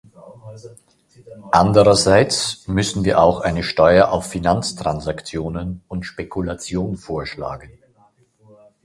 Andererseits müssen wir auch eine Steuer auf Finanztransaktionen und Spekulation vorschlagen.